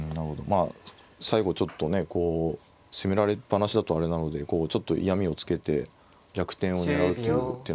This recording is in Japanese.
まあ最後ちょっとねこう攻められっ放しだとあれなのでちょっと嫌みをつけて逆転を狙うという手なんです。